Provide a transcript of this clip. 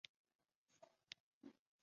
君灵塔的历史年代为清。